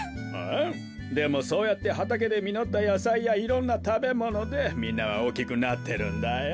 でもそうやってはたけでみのったやさいやいろんなたべものでみんなはおおきくなってるんだよ。